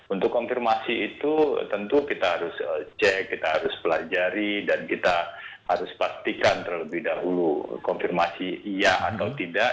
untuk konfirmasi itu tentu kita harus cek kita harus pelajari dan kita harus pastikan terlebih dahulu konfirmasi iya atau tidak